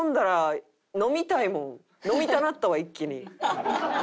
飲みたなったわ一気に。